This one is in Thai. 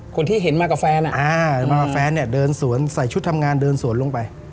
คุณที่เห็นมากับแฟนอ่ะอเจมส์อ่ามากับแฟนเนี่ยเดินสวนใส่ชุดทำงานเดินสวนลงไป